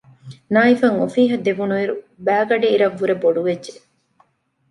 ނާއިފަށް އޮފީހަށް ދެވުނުއިރު ބައިގަޑިއިރަށް ވުރެ ބޮޑުވެއްޖެ